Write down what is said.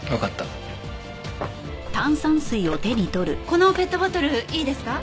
このペットボトルいいですか？